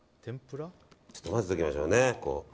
ちょっと混ぜておきましょうね。